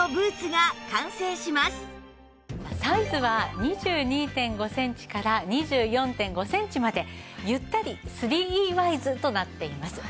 サイズは２２．５センチから２４．５センチまでゆったり３Ｅワイズとなっています。